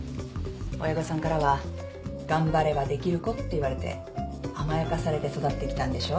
親御さんからは頑張ればできる子って言われて甘やかされて育ってきたんでしょ？